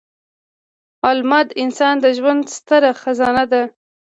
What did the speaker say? علمد انسان د ژوند ستره خزانه ده.